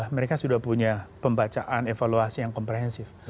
mereka sudah punya pembacaan evaluasi yang komprehensif